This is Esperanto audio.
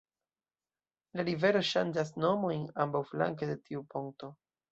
La rivero ŝanĝas nomojn ambaŭflanke de tiu ponto.